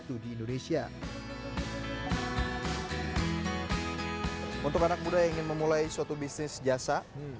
untuk anak muda yang ingin memulai suatu bisnis jasa